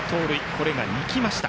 これが生きました。